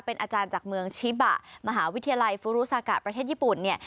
เป็นอาจารย์จากเมืองชิบะมหาวิทยาลัยฟูรุซากะประเทศญี่ปุ่นเนี่ย